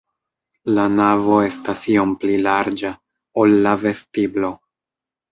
La navo estas iom pli larĝa, ol la vestiblo.